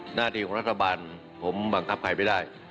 หน้าที่ของรัฐบาลผมบังคับใครไม่ได้